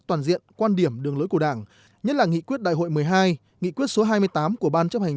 toàn diện quan điểm đường lối của đảng nhất là nghị quyết đại hội một mươi hai nghị quyết số hai mươi tám của ban chấp hành